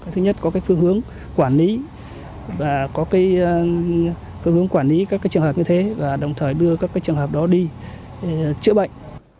thứ nhất có phương hướng quản lý các trường hợp như thế và đồng thời đưa các trường hợp đó đi chữa bệnh